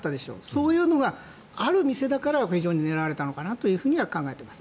そういうのがある店だから非常に狙われたのかなと考えています。